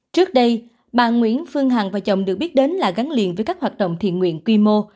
trước đây bà nguyễn phương hằng và chồng được biết đến là gắn liền với các hoạt động thiện nguyện quy mô